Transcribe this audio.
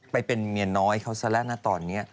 ไปเป็นเมียน้อยเขาซะแล้วนะตอนนี้